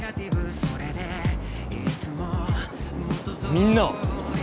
みんなは？